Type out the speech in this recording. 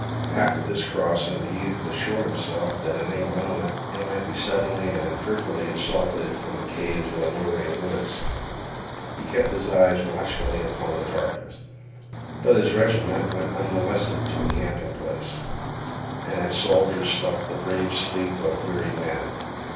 After this crossing the youth assured himself that at any moment they might be suddenly and fearfully assaulted from the caves of the lowering woods. He kept his eyes watchfully upon the darkness. But his regiment went unmolested to a camping place, and its soldiers slept the brave sleep of wearied men.